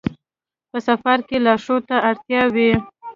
په سفر کې لارښود ته اړتیا وي.